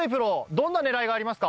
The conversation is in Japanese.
どんな狙いがありますか？